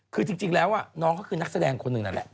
คือจริงแล้วน้องก็คือนักแสดงคนหนึ่งนั่นแหละ